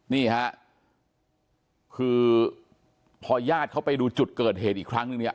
นี่ฮะคือพอญาติเขาไปดูจุดเกิดเหตุอีกครั้งนึงเนี่ย